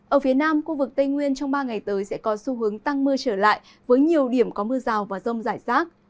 ở phía nam khu vực tây nguyên trong ba ngày tới sẽ có xu hướng tăng mưa trở lại với nhiều điểm có mưa rào và rông rải rác